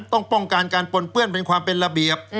ต้องการการปนเปื้อนเป็นความเป็นระเบียบ